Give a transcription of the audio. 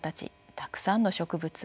たくさんの植物